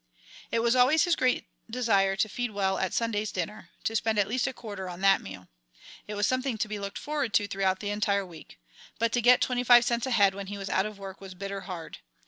It was always his great desire to feed well at Sunday's dinner, to spend at least a quarter on that meal. It was something to be looked forward to throughout the entire week. But to get twenty five cents ahead when he was out of work was bitter hard.